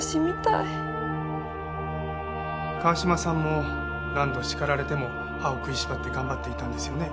川嶋さんも何度叱られても歯を食いしばって頑張っていたんですよね？